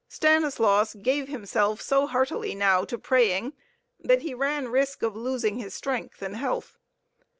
Stanislaus gave himself so heartily now to praying that he ran risk of losing his strength and health.